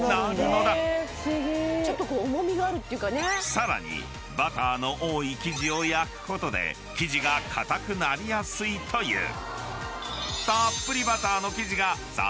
［さらにバターの多い生地を焼くことで生地が硬くなりやすいという］